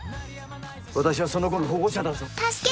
私はその子の保護者だぞ。